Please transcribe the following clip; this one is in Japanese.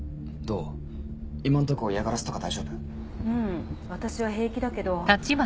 うん私は平気だけど。